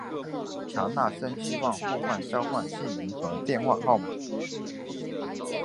强纳森希望互相交换姓名和电话号码。